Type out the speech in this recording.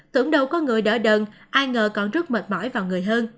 tưởng đâu có người đỡ đần ai ngờ con rất mệt mỏi vào người hơn